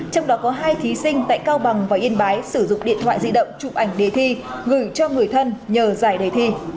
trong đó có hai thí sinh tại cao bằng và yên bái sử dụng điện thoại di động chụp ảnh đề thi gửi cho người thân nhờ giải đề thi